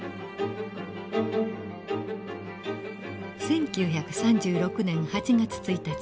１９３６年８月１日。